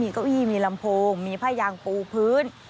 เก้าอี้มีลำโพงมีผ้ายางปูพื้น